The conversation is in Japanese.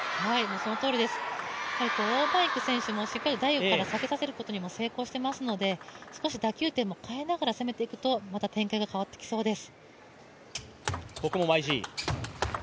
そのとおりです、王曼イク選手もしっかり台から下げさせることに成功していますので少し打球点も変えながら攻めていくとまた展開が変わってきそうです。